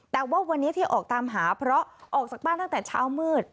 แต่ว่าวันนี้ที่ออกตามหาเพราะออกจากบ้านตั้งแต่เช้ามืด